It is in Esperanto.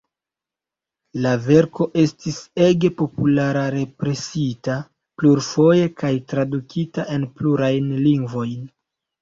La verko estis ege populara--represita plurfoje kaj tradukita en plurajn lingvojn.